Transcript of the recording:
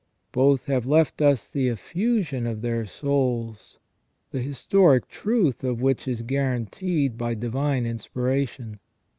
Both have left us the effusion of their souls, the historic truth of which is guaranteed by divine inspiration.